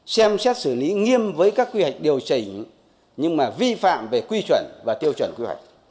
xem xét xử lý nghiêm với các quy hoạch điều chỉnh nhưng mà vi phạm về quy chuẩn và tiêu chuẩn quy hoạch